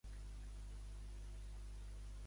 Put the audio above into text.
Era natiu de Dublin, Geòrgia.